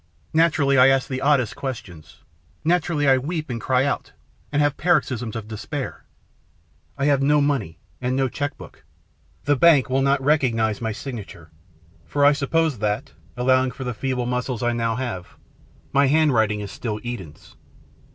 Naturally I ask the oddest questions. Naturally I weep and cry out, and have paroxysms of despair. I have no money and no cheque book. The bank will not recognise my signature, for I suppose that, allowing for the feeble muscles I now have, my handwriting is still Eden's.